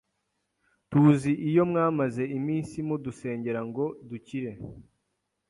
Tuzi iyo mwamaze iminsi mudusengera ngo dukire